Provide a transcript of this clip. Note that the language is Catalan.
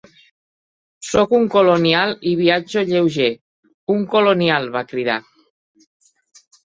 "Sóc un colonial i viatjo lleuger." "Un colonial", va cridar.